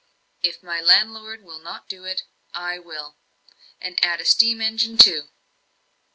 If my landlord will not do it, I will; and add a steam engine, too."